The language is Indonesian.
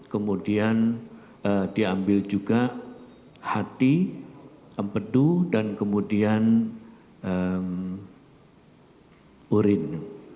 kemudian diambil juga hati empedu dan kemudian urin